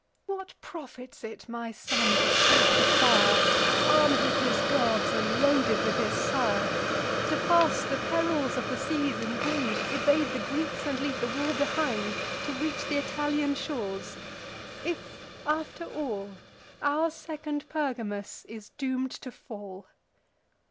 What profits it my son to scape the fire, Arm'd with his gods, and loaded with his sire; To pass the perils of the seas and wind; Evade the Greeks, and leave the war behind; To reach th' Italian shores; if, after all, Our second Pergamus is doom'd to fall?